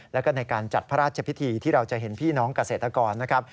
และในการจัดพระราชพิธีที่เราจะเห็นพี่น้องเกษตรกร